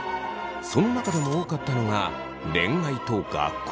その中でも多かったのが恋愛と学校。